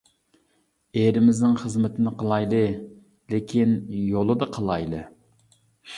ئېرىمىزنىڭ خىزمىتىنى قىلايلى، لېكىن يولىدا قىلايلى!